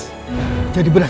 terima kasih kanjang sunan